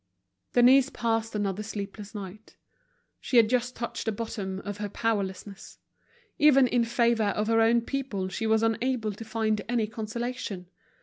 Denise passed another sleepless night. She had just touched the bottom of her powerlessness. Even in favor of her own people she was unable to find any consolation.